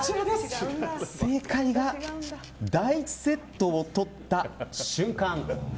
正解は第１セットをとった瞬間。